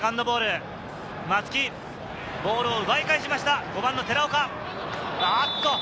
ボールを奪い返しました、５番の寺岡。